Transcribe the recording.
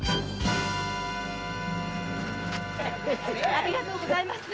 ありがとうございます。